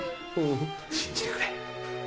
信じてくれ。